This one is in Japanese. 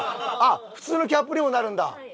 普通のキャップにもなるんだ！